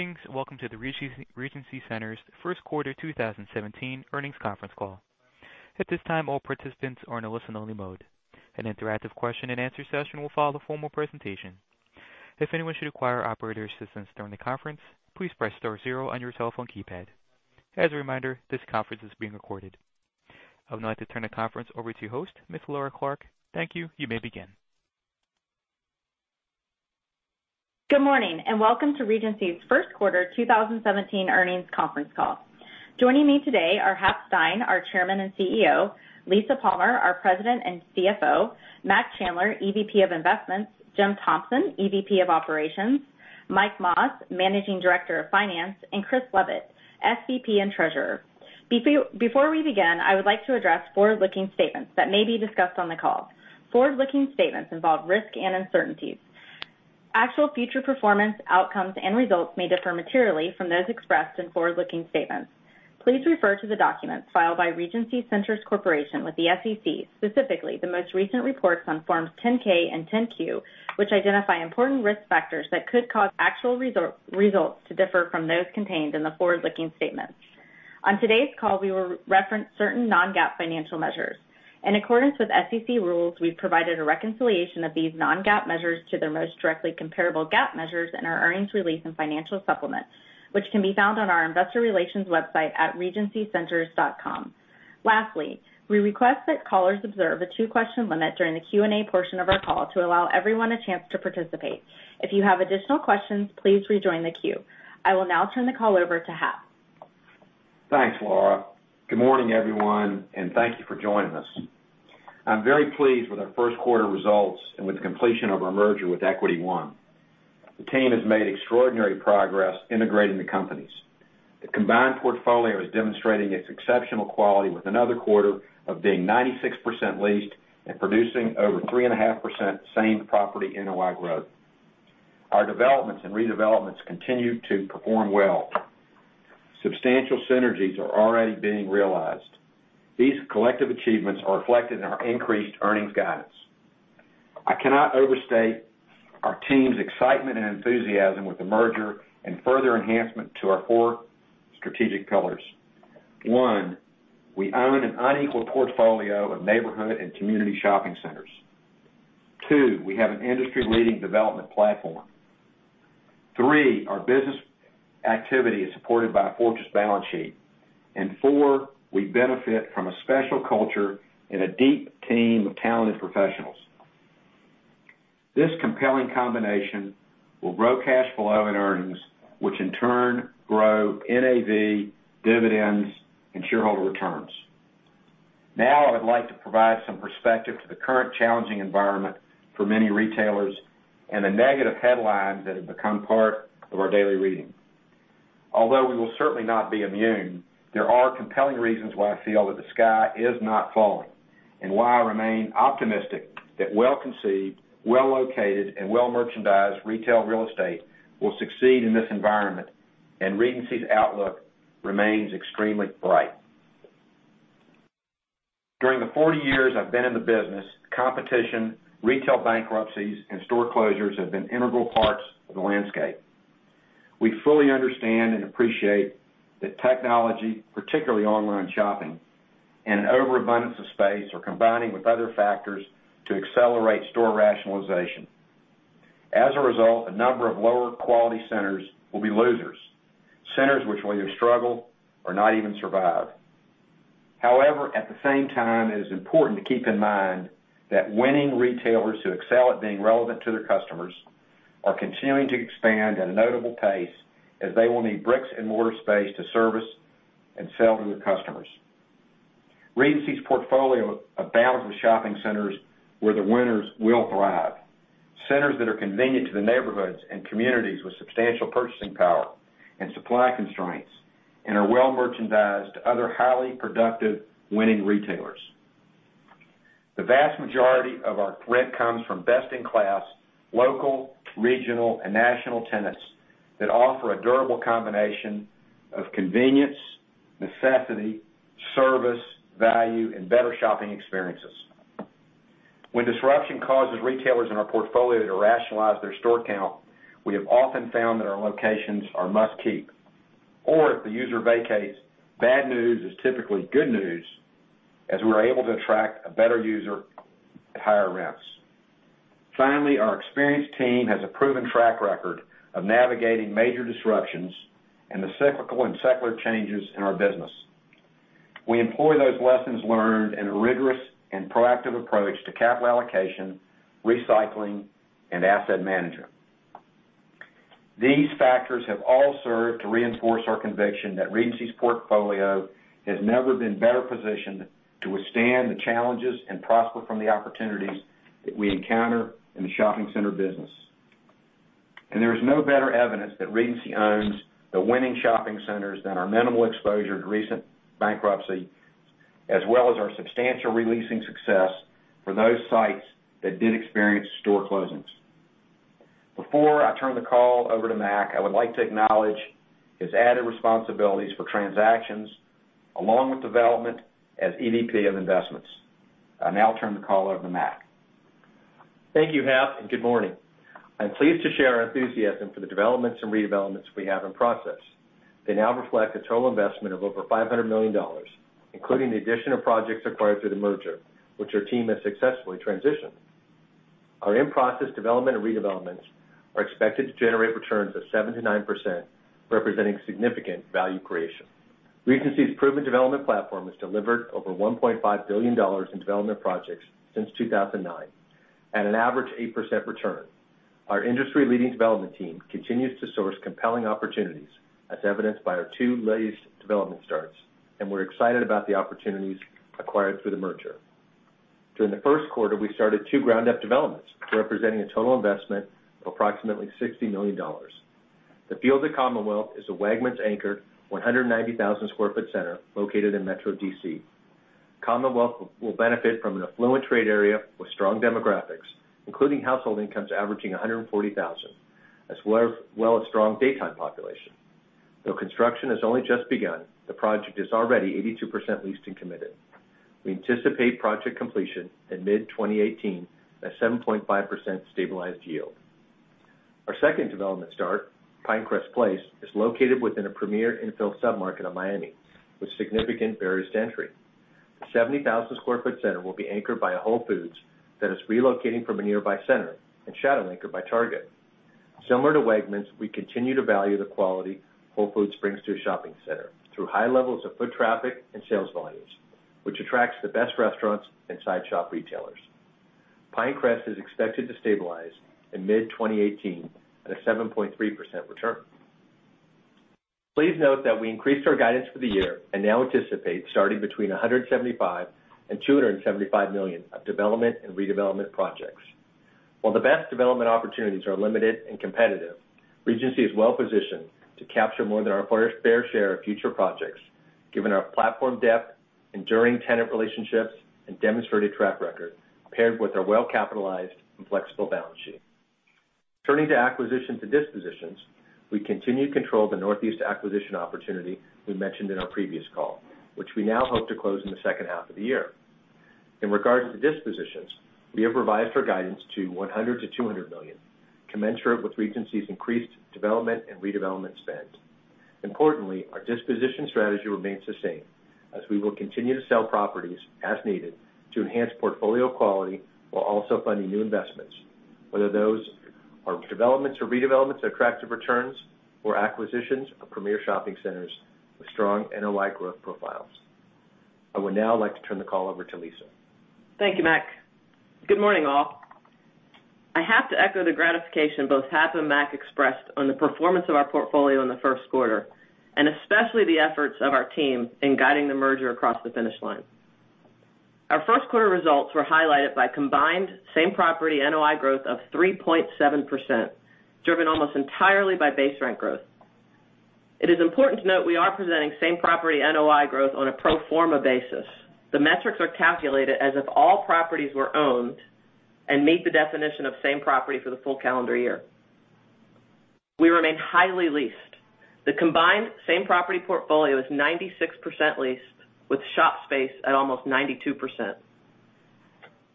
Greetings. Welcome to the Regency Centers' first quarter 2017 earnings conference call. At this time, all participants are in a listen-only mode. An interactive question and answer session will follow the formal presentation. If anyone should require operator assistance during the conference, please press star zero on your cell phone keypad. As a reminder, this conference is being recorded. I would now like to turn the conference over to your host, Ms. Laura Clark. Thank you. You may begin. Good morning. Welcome to Regency's first quarter 2017 earnings conference call. Joining me today are Hap Stein, our Chairman and CEO, Lisa Palmer, our President and CFO, Mac Chandler, EVP of Investments, Jim Thompson, EVP of Operations, Mike Mas, Managing Director of Finance, and Chris Leavitt, SVP and Treasurer. Before we begin, I would like to address forward-looking statements that may be discussed on the call. Forward-looking statements involve risk and uncertainties. Actual future performance outcomes and results may differ materially from those expressed in forward-looking statements. Please refer to the documents filed by Regency Centers Corporation with the SEC, specifically the most recent reports on Forms 10-K and 10-Q, which identify important risk factors that could cause actual results to differ from those contained in the forward-looking statements. On today's call, we will reference certain non-GAAP financial measures. In accordance with SEC rules, we've provided a reconciliation of these non-GAAP measures to their most directly comparable GAAP measures in our earnings release and financial supplements, which can be found on our investor relations website at regencycenters.com. Lastly, we request that callers observe a two-question limit during the Q&A portion of our call to allow everyone a chance to participate. If you have additional questions, please rejoin the queue. I will now turn the call over to Hap. Thanks, Laura. Good morning, everyone. Thank you for joining us. I'm very pleased with our first quarter results and with the completion of our merger with Equity One. The team has made extraordinary progress integrating the companies. The combined portfolio is demonstrating its exceptional quality with another quarter of being 96% leased and producing over 3.5% same property NOI growth. Our developments and redevelopments continue to perform well. Substantial synergies are already being realized. These collective achievements are reflected in our increased earnings guidance. I cannot overstate our team's excitement and enthusiasm with the merger and further enhancement to our four strategic pillars. One, we own an unequal portfolio of neighborhood and community shopping centers. Two, we have an industry-leading development platform. Three, our business activity is supported by a fortress balance sheet. Four, we benefit from a special culture and a deep team of talented professionals. This compelling combination will grow cashflow and earnings, which in turn grow NAV, dividends, and shareholder returns. Now, I would like to provide some perspective to the current challenging environment for many retailers and the negative headlines that have become part of our daily reading. Although we will certainly not be immune, there are compelling reasons why I feel that the sky is not falling and why I remain optimistic that well-conceived, well-located, and well-merchandised retail real estate will succeed in this environment, and Regency's outlook remains extremely bright. During the 40 years I've been in the business, competition, retail bankruptcies, and store closures have been integral parts of the landscape. We fully understand and appreciate that technology, particularly online shopping, and an overabundance of space are combining with other factors to accelerate store rationalization. As a result, a number of lower-quality centers will be losers, centers which will either struggle or not even survive. However, at the same time, it is important to keep in mind that winning retailers who excel at being relevant to their customers are continuing to expand at a notable pace as they will need bricks-and-mortar space to service and sell to their customers. Regency's portfolio abounds with shopping centers where the winners will thrive. Centers that are convenient to the neighborhoods and communities with substantial purchasing power and supply constraints and are well merchandised to other highly productive winning retailers. The vast majority of our rent comes from best-in-class, local, regional, and national tenants that offer a durable combination of convenience, necessity, service, value, and better shopping experiences. When disruption causes retailers in our portfolio to rationalize their store count, we have often found that our locations are must-keep. If the user vacates, bad news is typically good news, as we're able to attract a better user at higher rents. Finally, our experienced team has a proven track record of navigating major disruptions and the cyclical and secular changes in our business. We employ those lessons learned in a rigorous and proactive approach to capital allocation, recycling, and asset management. These factors have all served to reinforce our conviction that Regency's portfolio has never been better positioned to withstand the challenges and prosper from the opportunities that we encounter in the shopping center business. There is no better evidence that Regency owns the winning shopping centers than our minimal exposure to recent bankruptcies, as well as our substantial re-leasing success for those sites that did experience store closings. Before I turn the call over to Mac, I would like to acknowledge his added responsibilities for transactions along with development as EVP of Investments. I now turn the call over to Mac. Thank you, Hap, and good morning. I'm pleased to share our enthusiasm for the developments and redevelopments we have in process. They now reflect a total investment of over $500 million, including the addition of projects acquired through the merger, which our team has successfully transitioned. Our in-process development and redevelopments are expected to generate returns of 7%-9%, representing significant value creation. Regency's proven development platform has delivered over $1.5 billion in development projects since 2009, at an average 8% return. Our industry-leading development team continues to source compelling opportunities, as evidenced by our two latest development starts. We're excited about the opportunities acquired through the merger. During the first quarter, we started two ground-up developments, representing a total investment of approximately $60 million. The Field at Commonwealth is a Wegmans-anchored 190,000 square foot center located in Metro D.C. Commonwealth will benefit from an affluent trade area with strong demographics, including household incomes averaging $140,000, as well as strong daytime population. Though construction has only just begun, the project is already 82% leased and committed. We anticipate project completion in mid 2018 at a 7.5% stabilized yield. Our second development start, Pinecrest Place, is located within a premier infill sub-market of Miami with significant barriers to entry. The 70,000 square foot center will be anchored by a Whole Foods that is relocating from a nearby center and shadow anchored by Target. Similar to Wegmans, we continue to value the quality Whole Foods brings to a shopping center through high levels of foot traffic and sales volumes, which attracts the best restaurants and side shop retailers. Pinecrest is expected to stabilize in mid 2018 at a 7.3% return. Please note that we increased our guidance for the year and now anticipate starting between $175 million and $275 million of development and redevelopment projects. While the best development opportunities are limited and competitive, Regency is well-positioned to capture more than our fair share of future projects, given our platform depth, enduring tenant relationships, and demonstrated track record, paired with our well-capitalized and flexible balance sheet. Turning to acquisition to dispositions, we continue to control the Northeast acquisition opportunity we mentioned in our previous call, which we now hope to close in the second half of the year. In regards to dispositions, we have revised our guidance to $100 million-$200 million, commensurate with Regency's increased development and redevelopment spend. Importantly, our disposition strategy remains the same, as we will continue to sell properties as needed to enhance portfolio quality while also funding new investments, whether those are developments or redevelopments at attractive returns or acquisitions of premier shopping centers with strong NOI growth profiles. I would now like to turn the call over to Lisa. Thank you, Mac. Good morning, all. I have to echo the gratification both Hap and Mac expressed on the performance of our portfolio in the first quarter, and especially the efforts of our team in guiding the merger across the finish line. Our first quarter results were highlighted by combined same-property NOI growth of 3.7%, driven almost entirely by base rent growth. It is important to note we are presenting same-property NOI growth on a pro forma basis. The metrics are calculated as if all properties were owned and meet the definition of same property for the full calendar year. We remain highly leased. The combined same-property portfolio is 96% leased with shop space at almost 92%.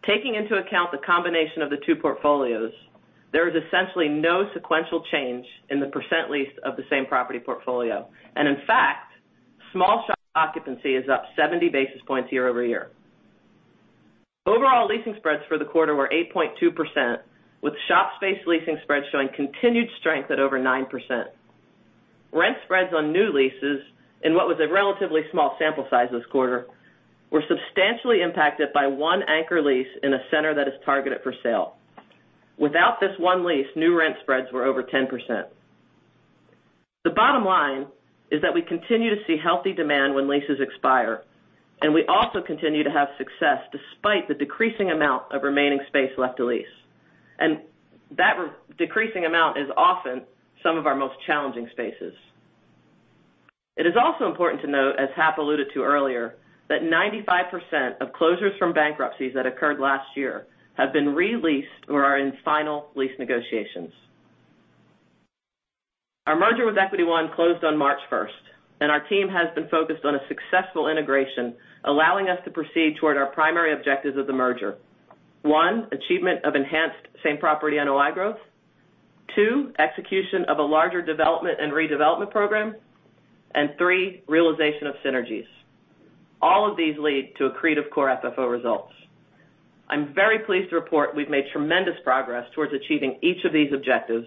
Taking into account the combination of the two portfolios, there is essentially no sequential change in the percent lease of the same-property portfolio. In fact, small shop occupancy is up 70 basis points year-over-year. Overall leasing spreads for the quarter were 8.2%, with shop space leasing spreads showing continued strength at over 9%. Rent spreads on new leases, in what was a relatively small sample size this quarter, were substantially impacted by one anchor lease in a center that is targeted for sale. Without this one lease, new rent spreads were over 10%. The bottom line is that we continue to see healthy demand when leases expire, and we also continue to have success despite the decreasing amount of remaining space left to lease. That decreasing amount is often some of our most challenging spaces. It is also important to note, as Hap alluded to earlier, that 95% of closures from bankruptcies that occurred last year have been re-leased or are in final lease negotiations. Our merger with Equity One closed on March 1st, and our team has been focused on a successful integration, allowing us to proceed toward our primary objectives of the merger. One, achievement of enhanced same-property NOI growth. Two, execution of a larger development and redevelopment program. Three, realization of synergies. All of these lead to accretive core FFO results. I'm very pleased to report we've made tremendous progress towards achieving each of these objectives,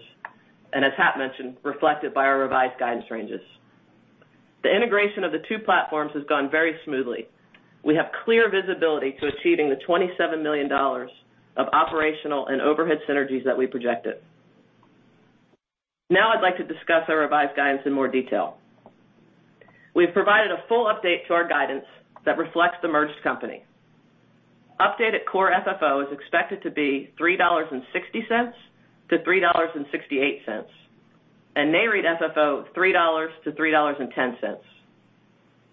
and as Hap mentioned, reflected by our revised guidance ranges. The integration of the two platforms has gone very smoothly. We have clear visibility to achieving the $27 million of operational and overhead synergies that we projected. I'd like to discuss our revised guidance in more detail. We've provided a full update to our guidance that reflects the merged company. Updated core FFO is expected to be $3.60 to $3.68, and NAREIT FFO, $3 to $3.10.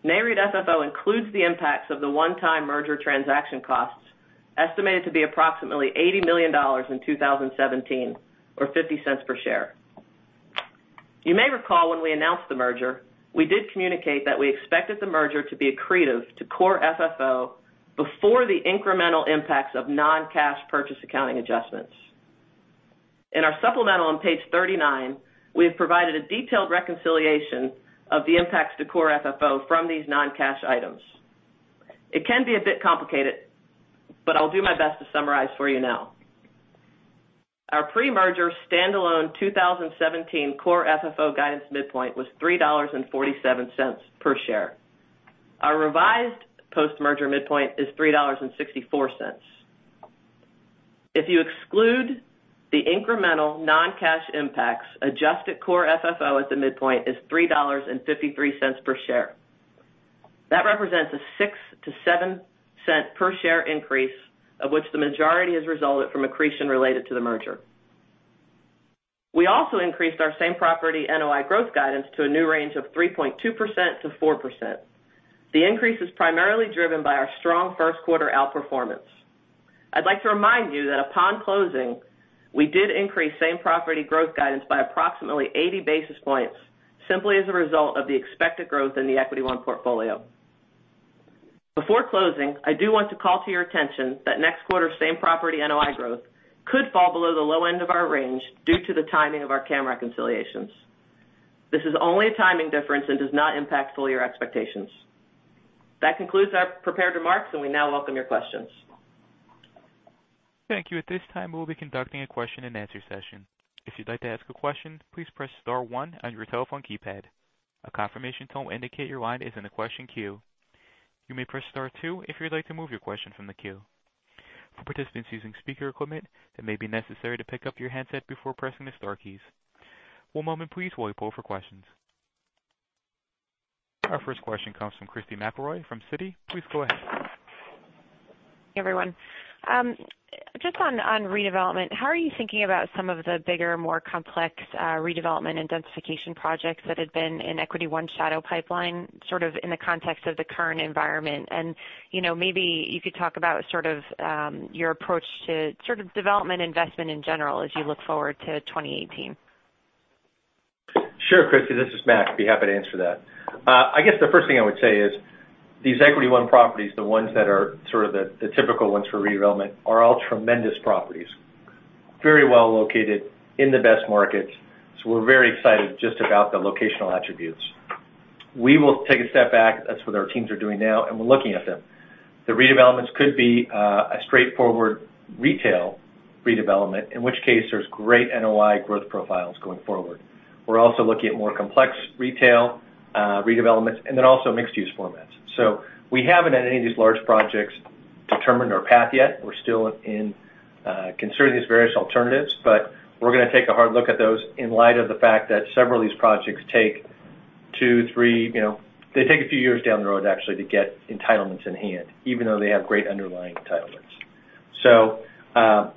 NAREIT FFO includes the impacts of the one-time merger transaction costs, estimated to be approximately $80 million in 2017 or $0.50 per share. You may recall when we announced the merger, we did communicate that we expected the merger to be accretive to core FFO before the incremental impacts of non-cash purchase accounting adjustments. In our supplemental on page 39, we have provided a detailed reconciliation of the impacts to core FFO from these non-cash items. It can be a bit complicated, but I'll do my best to summarize for you now. Our pre-merger standalone 2017 core FFO guidance midpoint was $3.47 per share. Our revised post-merger midpoint is $3.64. If you exclude the incremental non-cash impacts, adjusted core FFO at the midpoint is $3.53 per share. That represents a 6 to $0.07 per share increase, of which the majority has resulted from accretion related to the merger. We also increased our same-property NOI growth guidance to a new range of 3.2%-4%. The increase is primarily driven by our strong first quarter outperformance. I'd like to remind you that upon closing, we did increase same-property growth guidance by approximately 80 basis points, simply as a result of the expected growth in the Equity One portfolio. Before closing, I do want to call to your attention that next quarter same-property NOI growth could fall below the low end of our range due to the timing of our CAM reconciliations. This is only a timing difference and does not impact full-year expectations. That concludes our prepared remarks, and we now welcome your questions. Thank you. At this time, we'll be conducting a question-and-answer session. If you'd like to ask a question, please press star one on your telephone keypad. A confirmation tone will indicate your line is in the question queue. You may press star two if you'd like to move your question from the queue. For participants using speaker equipment, it may be necessary to pick up your handset before pressing the star keys. One moment please, while we poll for questions. Our first question comes from Christy McElroy from Citi. Please go ahead. Everyone. Just on redevelopment, how are you thinking about some of the bigger, more complex, redevelopment and densification projects that had been in Equity One shadow pipeline, sort of in the context of the current environment? Maybe you could talk about your approach to sort of development investment in general as you look forward to 2018. Sure, Christy. This is Mac. I'd be happy to answer that. I guess the first thing I would say is these Equity One properties, the ones that are sort of the typical ones for redevelopment, are all tremendous properties. Very well located in the best markets. We're very excited just about the locational attributes. We will take a step back. That's what our teams are doing now, and we're looking at them. The redevelopments could be a straightforward retail redevelopment, in which case there's great NOI growth profiles going forward. We're also looking at more complex retail redevelopments and then also mixed-use formats. We haven't, at any of these large projects, determined our path yet. We're still considering these various alternatives. We're going to take a hard look at those in light of the fact that several of these projects take two, three years down the road, actually, to get entitlements in hand, even though they have great underlying entitlements.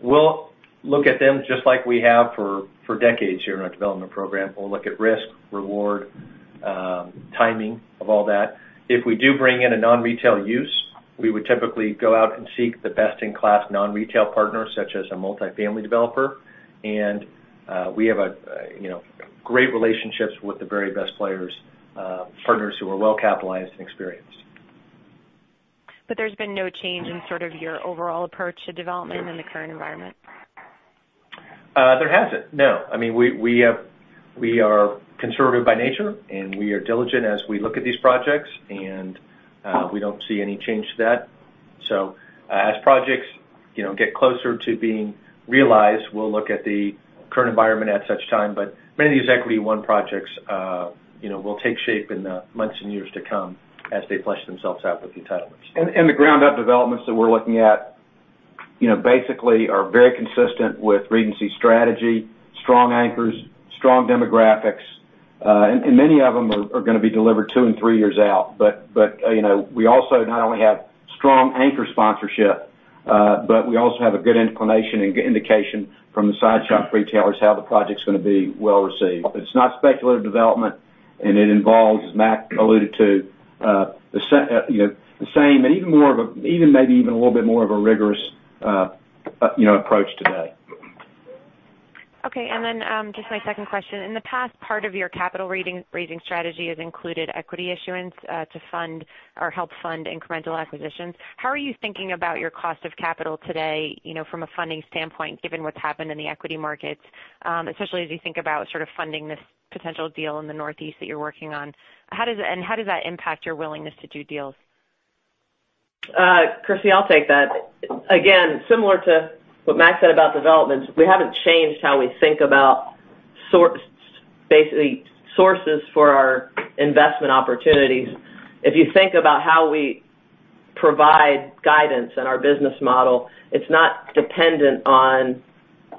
We'll look at them just like we have for decades here in our development program. We'll look at risk, reward, timing of all that. If we do bring in a non-retail use, we would typically go out and seek the best-in-class non-retail partners, such as a multifamily developer. We have great relationships with the very best players, partners who are well-capitalized and experienced. There's been no change in sort of your overall approach to development in the current environment? There hasn't, no. We are conservative by nature, and we are diligent as we look at these projects, and we don't see any change to that. As projects get closer to being realized, we'll look at the current environment at such time. Many of these Equity One projects will take shape in the months and years to come as they flesh themselves out with the entitlements. The ground-up developments that we're looking at basically are very consistent with Regency strategy, strong anchors, strong demographics. Many of them are going to be delivered two and three years out. We also not only have strong anchor sponsorship, but we also have a good inclination and indication from the side shop retailers how the project's going to be well received. It's not speculative development, and it involves, as Mac alluded to, maybe even a little bit more of a rigorous approach today. Just my second question. In the past, part of your capital-raising strategy has included equity issuance to fund or help fund incremental acquisitions. How are you thinking about your cost of capital today, from a funding standpoint, given what's happened in the equity markets, especially as you think about sort of funding this potential deal in the Northeast that you're working on? How does that impact your willingness to do deals? Christy, I'll take that. Similar to what Mac said about developments, we haven't changed how we think about basically sources for our investment opportunities. If you think about how we provide guidance in our business model, it's not dependent on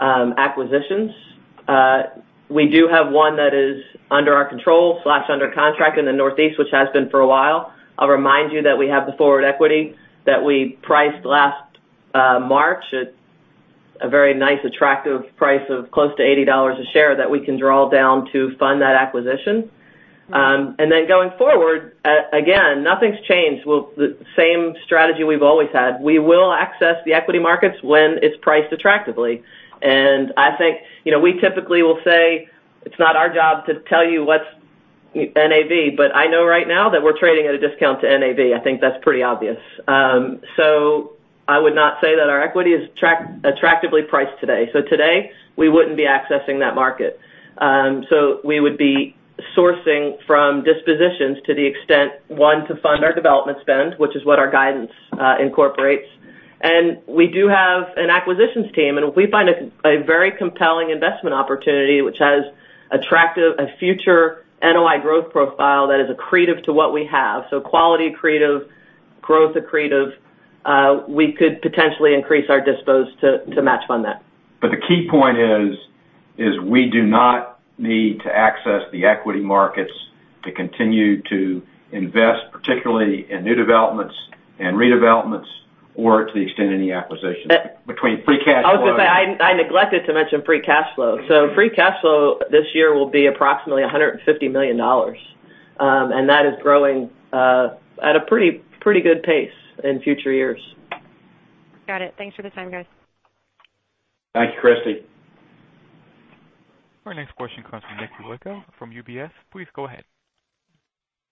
acquisitions. We do have one that is under our control/under contract in the Northeast, which has been for a while. I'll remind you that we have the forward equity that we priced last March at a very nice, attractive price of close to $80 a share that we can draw down to fund that acquisition. Going forward, again, nothing's changed. The same strategy we've always had. We will access the equity markets when it's priced attractively. I think, we typically will say it's not our job to tell you what's NAV, but I know right now that we're trading at a discount to NAV. I think that's pretty obvious. I would not say that our equity is attractively priced today. Today, we wouldn't be accessing that market. We would be sourcing from dispositions to the extent, one, to fund our development spend, which is what our guidance incorporates. We do have an acquisitions team, and if we find a very compelling investment opportunity which has attractive a future NOI growth profile that is accretive to what we have. Quality accretive, growth accretive, we could potentially increase our dispo's to match fund that. The key point is we do not need to access the equity markets to continue to invest, particularly in new developments and redevelopments or to the extent of any acquisitions. Between free cash flow. I was going to say, I neglected to mention free cash flow. Free cash flow this year will be approximately $150 million. That is growing at a pretty good pace in future years. Got it. Thanks for the time, guys. Thank you, Christy. Our next question comes from Nick Yulico from UBS. Please go ahead.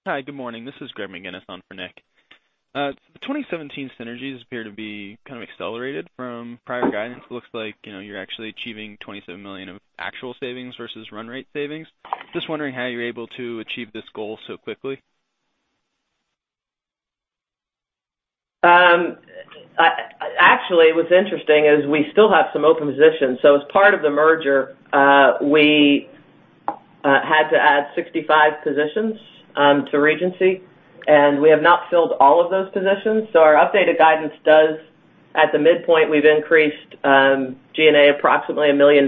Hi, good morning. This is Greg McGinnis on for Nick. 2017 synergies appear to be kind of accelerated from prior guidance. Looks like you're actually achieving $27 million of actual savings versus run rate savings. Just wondering how you're able to achieve this goal so quickly. Actually, what's interesting is we still have some open positions. As part of the merger, we had to add 65 positions to Regency, and we have not filled all of those positions. Our updated guidance does At the midpoint, we've increased G&A approximately $1 million.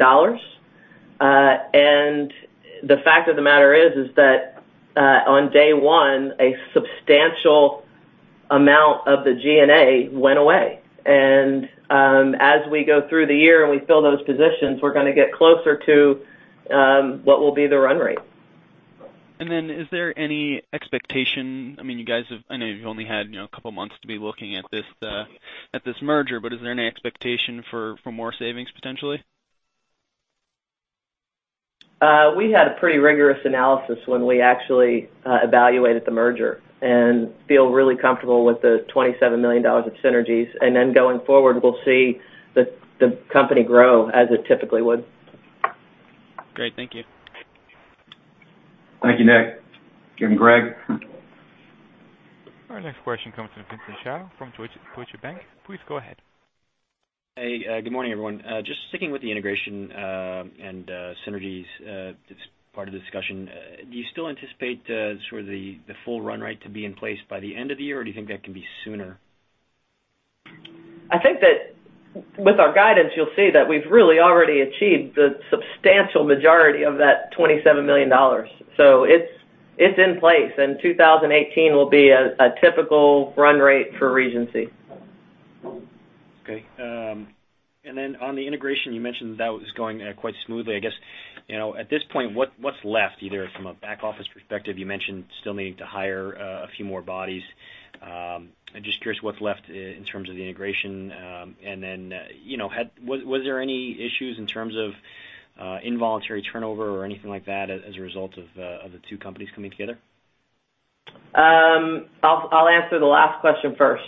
The fact of the matter is that on day 1, a substantial amount of the G&A went away. As we go through the year and we fill those positions, we're going to get closer to what will be the run rate. Is there any expectation, I know you've only had a couple of months to be looking at this merger, but is there any expectation for more savings potentially? We had a pretty rigorous analysis when we actually evaluated the merger and feel really comfortable with the $27 million of synergies. Going forward, we'll see the company grow as it typically would. Great. Thank you. Thank you, Nick and Greg. Our next question comes from Vincent Chao from Deutsche Bank. Please go ahead. Hey, good morning, everyone. Just sticking with the integration and synergies, this part of the discussion. Do you still anticipate the full run rate to be in place by the end of the year, or do you think that can be sooner? I think that with our guidance, you'll see that we've really already achieved the substantial majority of that $27 million. It's in place, and 2018 will be a typical run rate for Regency. Okay. On the integration, you mentioned that was going quite smoothly. I guess, at this point, what's left, either from a back office perspective, you mentioned still needing to hire a few more bodies. I'm just curious what's left in terms of the integration. Was there any issues in terms of involuntary turnover or anything like that as a result of the two companies coming together? I'll answer the last question first.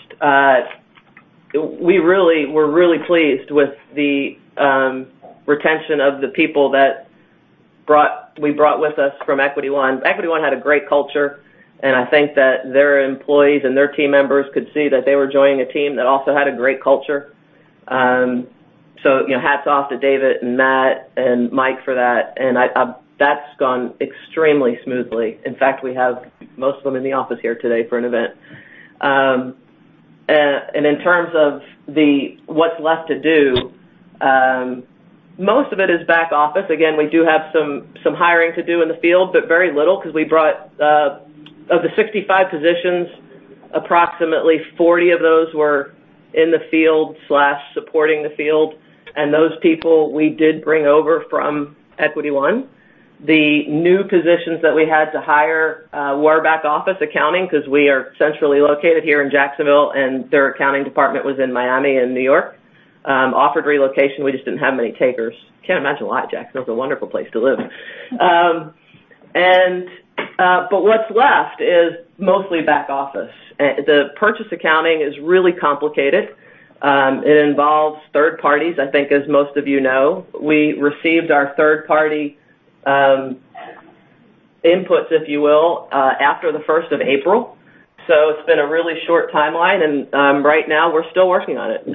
We're really pleased with the retention of the people that we brought with us from Equity One. Equity One had a great culture, and I think that their employees and their team members could see that they were joining a team that also had a great culture. Hats off to David and Matt and Mike for that. That's gone extremely smoothly. In fact, we have most of them in the office here today for an event. In terms of what's left to do, most of it is back office. Again, we do have some hiring to do in the field, but very little, because of the 65 positions, approximately 40 of those were in the field/supporting the field. Those people we did bring over from Equity One. The new positions that we had to hire were back office accounting, because we are centrally located here in Jacksonville, and their accounting department was in Miami and New York. Offered relocation, we just didn't have many takers. Can't imagine why. Jacksonville is a wonderful place to live. What's left is mostly back office. The purchase accounting is really complicated. It involves third parties, I think as most of you know. We received our third party inputs, if you will, after the 1st of April. It's been a really short timeline, and right now we're still working on it.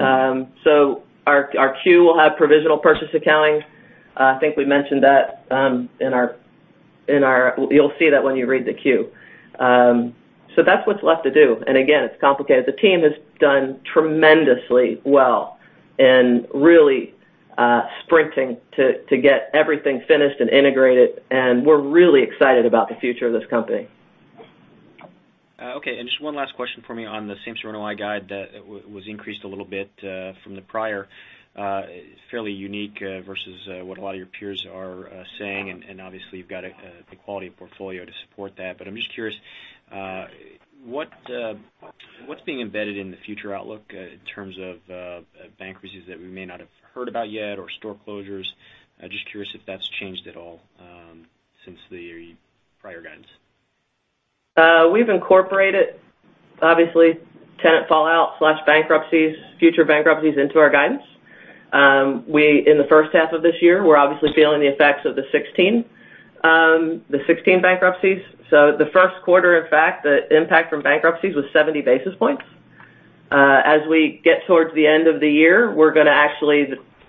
Our Q will have provisional purchase accounting. I think we mentioned that. You'll see that when you read the Q. That's what's left to do. Again, it's complicated. The team has done tremendously well and really sprinting to get everything finished and integrated. We're really excited about the future of this company. Just one last question for me on the same-store NOI guide that was increased a little bit from the prior, fairly unique versus what a lot of your peers are saying, and obviously you've got the quality of portfolio to support that. I'm just curious, what's being embedded in the future outlook in terms of bankruptcies that we may not have heard about yet or store closures? Just curious if that's changed at all since the prior guidance. We've incorporated, obviously, tenant fallout/bankruptcies, future bankruptcies into our guidance. In the first half of this year, we're obviously feeling the effects of the 16 bankruptcies. The first quarter, in fact, the impact from bankruptcies was 70 basis points. As we get towards the end of the year,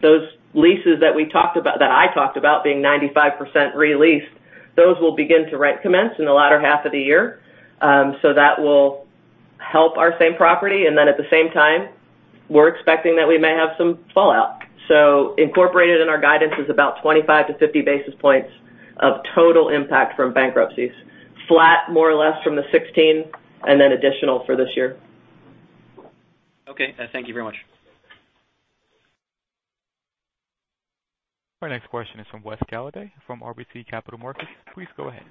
those leases that I talked about being 95% re-leased, those will begin to rent commence in the latter half of the year. That will help our same property, and then at the same time, we're expecting that we may have some fallout. Incorporated in our guidance is about 25-50 basis points of total impact from bankruptcies. Flat more or less from the 16, and then additional for this year. Thank you very much. Our next question is from Wes Golladay from RBC Capital Markets. Please go ahead.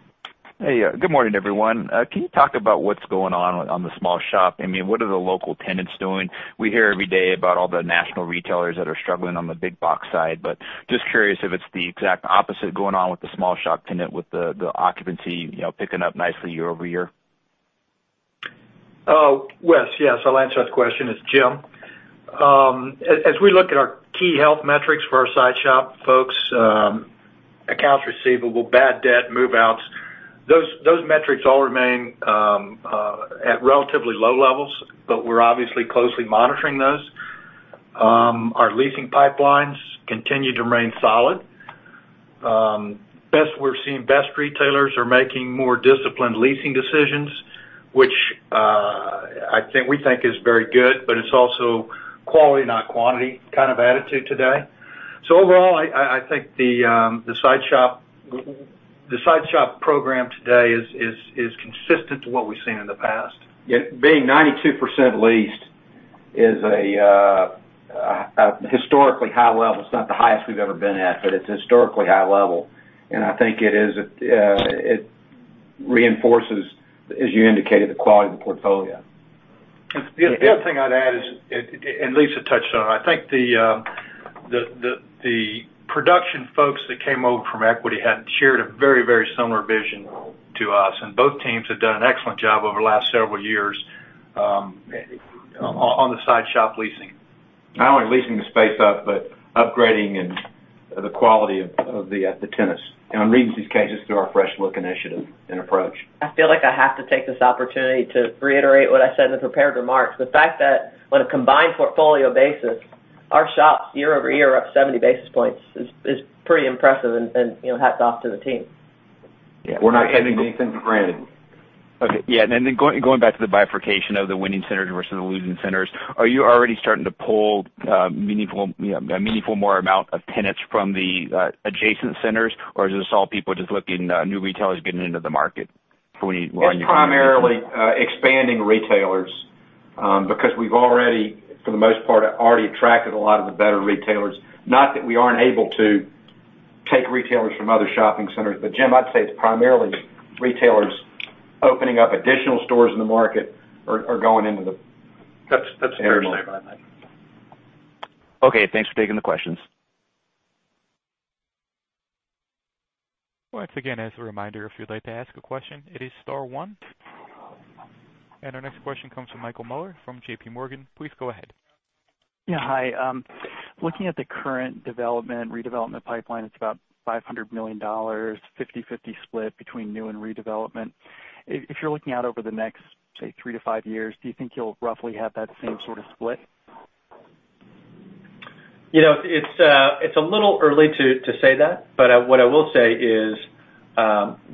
Hey, good morning, everyone. Can you talk about what's going on the small shop? What are the local tenants doing? We hear every day about all the national retailers that are struggling on the big box side. Just curious if it's the exact opposite going on with the small shop tenant, with the occupancy picking up nicely year-over-year. Wes, yes. I'll answer that question. It's Jim. As we look at our key health metrics for our small shop folks, accounts receivable, bad debt, move-outs, those metrics all remain at relatively low levels. We're obviously closely monitoring those. Our leasing pipelines continue to remain solid. We're seeing best retailers are making more disciplined leasing decisions, which we think is very good. It's also quality, not quantity kind of attitude today. Overall, I think the small shop program today is consistent to what we've seen in the past. Being 92% leased is a historically high level. It's not the highest we've ever been at, it's historically high level. I think it reinforces, as you indicated, the quality of the portfolio. The other thing I'd add is, Lisa touched on, I think the production folks that came over from Equity had shared a very similar vision to us, both teams have done an excellent job over the last several years on the side shop leasing. Not only leasing the space up, but upgrading and the quality of the tenants. On Regency cases, through our Fresh Look initiative and approach. I feel like I have to take this opportunity to reiterate what I said in the prepared remarks. The fact that on a combined portfolio basis, our shops year-over-year are up 70 basis points is pretty impressive, hats off to the team. We're not taking anything for granted. Okay. Yeah, going back to the bifurcation of the winning centers versus the losing centers, are you already starting to pull a meaningful more amount of tenants from the adjacent centers, or is this all people just looking new retailers getting into the market for when you- It's primarily expanding retailers, because we've, for the most part, already attracted a lot of the better retailers. Not that we aren't able to take retailers from other shopping centers, Jim, I'd say it's primarily retailers opening up additional stores in the market or going into the- That's fair to say, I think. Okay. Thanks for taking the questions. Once again, as a reminder, if you'd like to ask a question, it is star one. Our next question comes from Michael Mueller from JPMorgan. Please go ahead. Yeah. Hi. Looking at the current development, redevelopment pipeline, it's about $500 million, 50/50 split between new and redevelopment. If you're looking out over the next, say, three to five years, do you think you'll roughly have that same sort of split? It's a little early to say that, what I will say is,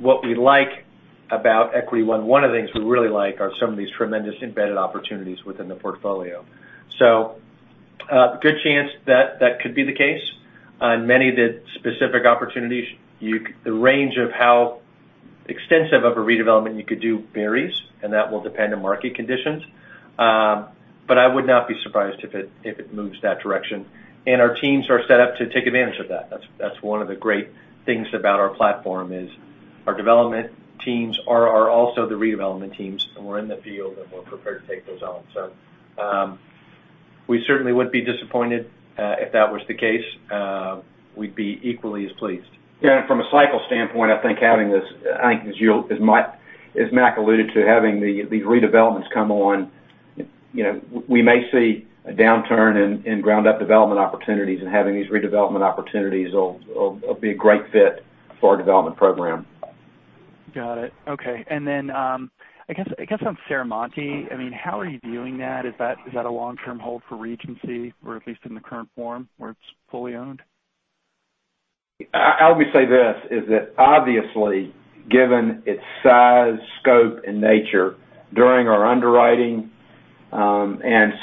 what we like about Equity One, one of the things we really like are some of these tremendous embedded opportunities within the portfolio. A good chance that could be the case. On many of the specific opportunities, the range of how extensive of a redevelopment you could do varies, and that will depend on market conditions. I would not be surprised if it moves that direction, our teams are set up to take advantage of that. That's one of the great things about our platform is our development teams are also the redevelopment teams, we're in the field, and we're prepared to take those on. We certainly wouldn't be disappointed if that was the case. We'd be equally as pleased. Yeah, from a cycle standpoint, I think as Mac alluded to, having these redevelopments come on, we may see a downturn in ground-up development opportunities, having these redevelopment opportunities will be a great fit for our development program. Got it. Okay. I guess on Serramonte, how are you viewing that? Is that a long-term hold for Regency, or at least in the current form where it's fully owned? I'll say this, is that obviously, given its size, scope and nature, during our underwriting And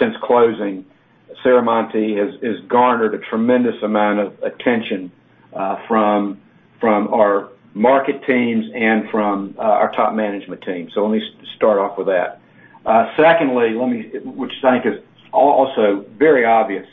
since closing, Serramonte has garnered a tremendous amount of attention from our market teams and from our top management team. Let me start off with that. Secondly, which I think is also very obvious,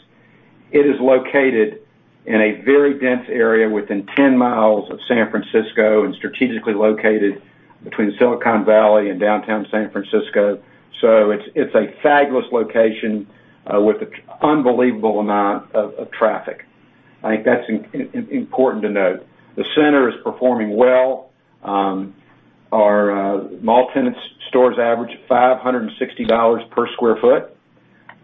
it is located in a very dense area within 10 miles of San Francisco and strategically located between Silicon Valley and downtown San Francisco. It's a fabulous location with an unbelievable amount of traffic. I think that's important to note. The center is performing well. Our mall tenants stores average $560 per square foot.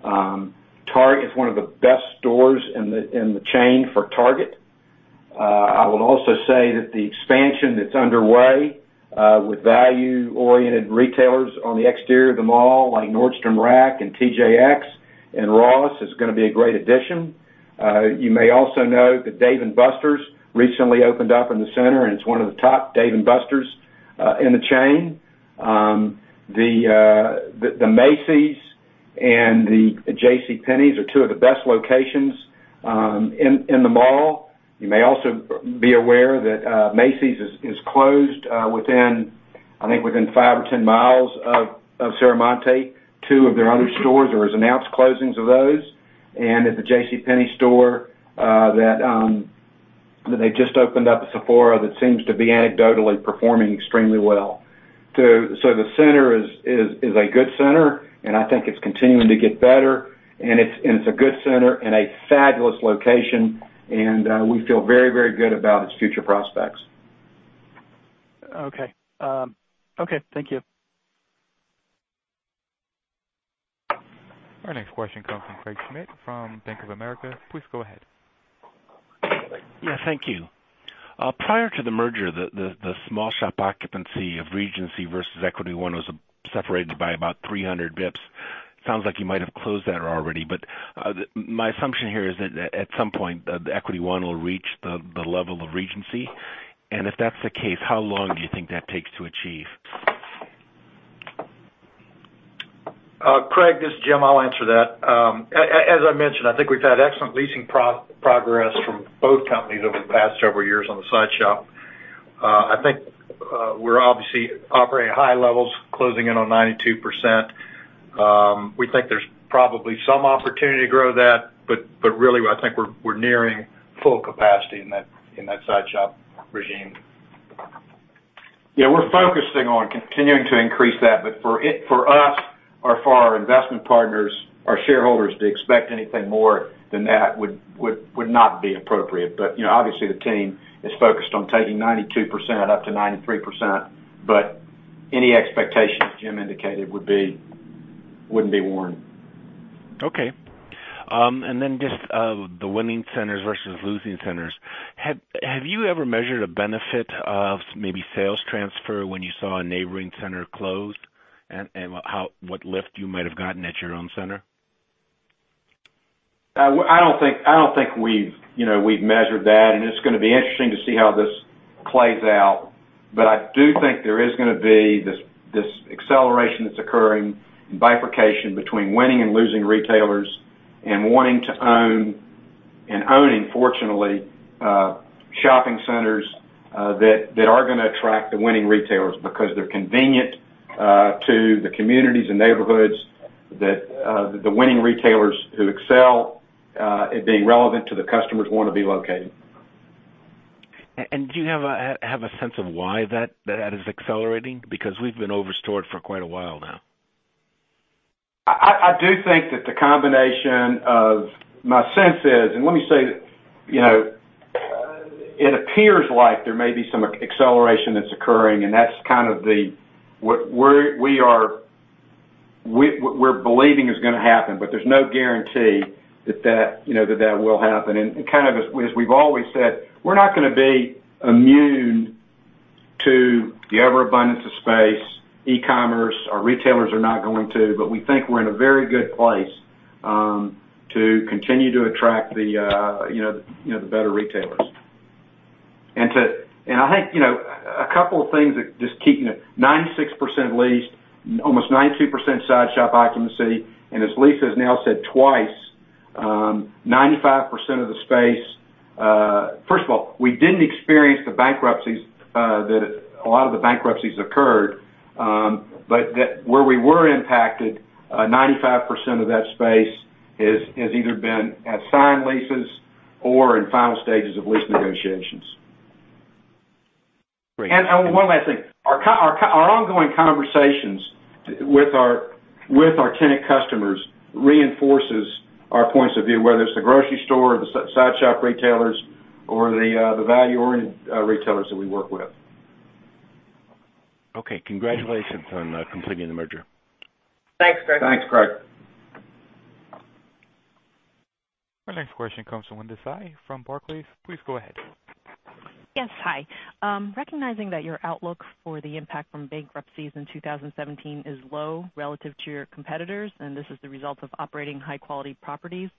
Target is one of the best stores in the chain for Target. I would also say that the expansion that's underway with value-oriented retailers on the exterior of the mall, like Nordstrom Rack and TJX and Ross, is going to be a great addition. You may also know that Dave & Buster's recently opened up in the center, and it's one of the top Dave & Buster's in the chain. The Macy's and the JCPenney's are two of the best locations in the mall. You may also be aware that Macy's is closed within, I think within five or 10 miles of Serramonte. Two of their other stores, there was announced closings of those, and at the JCPenney store that they just opened up, a Sephora that seems to be anecdotally performing extremely well. The center is a good center, and I think it's continuing to get better, and it's a good center and a fabulous location, and we feel very good about its future prospects. Okay. Thank you. Our next question comes from Craig Schmidt from Bank of America. Please go ahead. Yeah, thank you. Prior to the merger, the small shop occupancy of Regency versus Equity One was separated by about 300 basis points. My assumption here is that at some point, the Equity One will reach the level of Regency, If that's the case, how long do you think that takes to achieve? Craig, this is Jim. I'll answer that. As I mentioned, I think we've had excellent leasing progress from both companies over the past several years on the side shop. I think we're obviously operating at high levels, closing in on 92%. We think there's probably some opportunity to grow that. Really, I think we're nearing full capacity in that side shop regime. Yeah, we're focusing on continuing to increase that. For us or for our investment partners, our shareholders, to expect anything more than that would not be appropriate. Obviously, the team is focused on taking 92% up to 93%. Any expectation, as Jim indicated, wouldn't be warranted. Okay. Then just the winning centers versus losing centers. Have you ever measured a benefit of maybe sales transfer when you saw a neighboring center closed, and what lift you might have gotten at your own center? I don't think we've measured that, it's going to be interesting to see how this plays out. I do think there is going to be this acceleration that's occurring and bifurcation between winning and losing retailers and wanting to own, and owning, fortunately, shopping centers that are going to attract the winning retailers because they're convenient to the communities and neighborhoods that the winning retailers who excel at being relevant to the customers want to be located. Do you have a sense of why that is accelerating? Because we've been over-stored for quite a while now. I do think that the combination of my sense is, it appears like there may be some acceleration that's occurring, that's kind of what we're believing is going to happen, there's no guarantee that that will happen. As we've always said, we're not going to be immune to the overabundance of space, e-commerce, our retailers are not going to, but we think we're in a very good place to continue to attract the better retailers. I think a couple of things that just keeping it 96% leased, almost 92% side shop occupancy, and as Lisa has now said twice, 95% of the space. First of all, we didn't experience the bankruptcies, that a lot of the bankruptcies occurred, but where we were impacted, 95% of that space has either been at signed leases or in final stages of lease negotiations. Great. One last thing. Our ongoing conversations with our tenant customers reinforces our points of view, whether it's the grocery store or the side shop retailers or the value-oriented retailers that we work with. Okay. Congratulations on completing the merger. Thanks, Craig. Our next question comes from Linda Tsai from Barclays. Please go ahead. Yes, hi. Recognizing that your outlook for the impact from bankruptcies in 2017 is low relative to your competitors, this is the result of operating high-quality properties,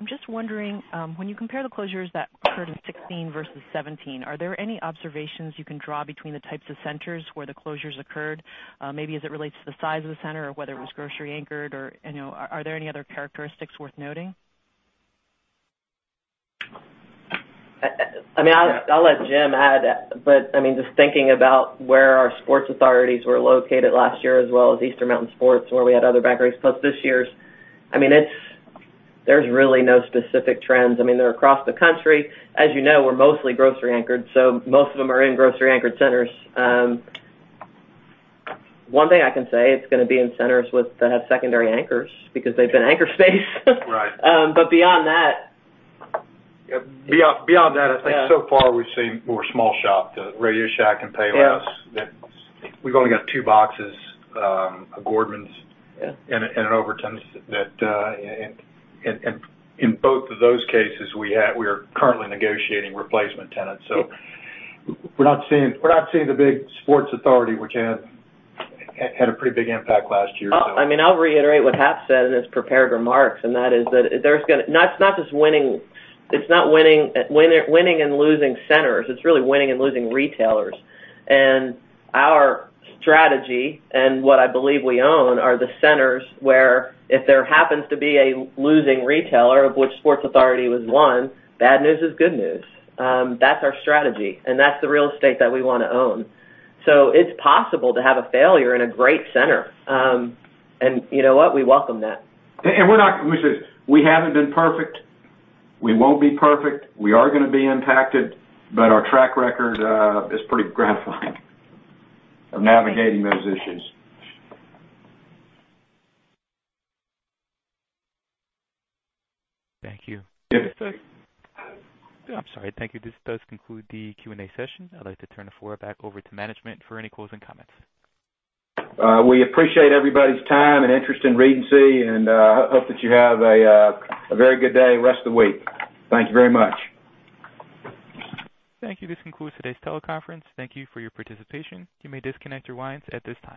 I'm just wondering, when you compare the closures that occurred in 2016 versus 2017, are there any observations you can draw between the types of centers where the closures occurred, maybe as it relates to the size of the center or whether it was grocery anchored or are there any other characteristics worth noting? I'll let Jim add, just thinking about where our Sports Authorities were located last year, as well as Eastern Mountain Sports, where we had other bankruptcies, plus this year's, there's really no specific trends. They're across the country. As you know, we're mostly grocery-anchored, most of them are in grocery-anchored centers. One thing I can say, it's going to be in centers that have secondary anchors because they've been anchor space. Right. Beyond that Beyond that, I think so far we've seen more small shop, the RadioShack and Payless. Yeah. We've only got two boxes, a Gordmans Yeah An Overton's. In both of those cases, we are currently negotiating replacement tenants. We're not seeing the big Sports Authority, which had a pretty big impact last year. I'll reiterate what Hap said in his prepared remarks, that is that it's not winning and losing centers, it's really winning and losing retailers. Our strategy, and what I believe we own, are the centers where if there happens to be a losing retailer, of which Sports Authority was one, bad news is good news. That's our strategy, and that's the real estate that we want to own. It's possible to have a failure in a great center. You know what? We welcome that. We haven't been perfect. We won't be perfect. We are going to be impacted, our track record is pretty gratifying of navigating those issues. Thank you. Yes, sir. I'm sorry. Thank you. This does conclude the Q&A session. I'd like to turn the floor back over to management for any closing comments. We appreciate everybody's time and interest in Regency, and hope that you have a very good day, rest of the week. Thank you very much. Thank you. This concludes today's teleconference. Thank you for your participation. You may disconnect your lines at this time.